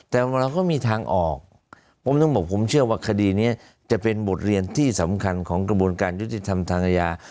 แต่เราก็มีทางออกผมต้องบอกผมเชื่อว่าคดีนี้จะเป็นบทเรียนที่สำคัญของกระบวนการยุติธรรมทางอาญา